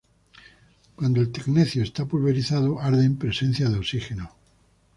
Cuando el tecnecio está pulverizado, arde en presencia de oxígeno.